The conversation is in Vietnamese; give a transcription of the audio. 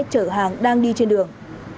họ đang đi trên đường